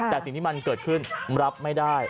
แต่สิ่งที่มันเกิดขึ้นรับไม่ได้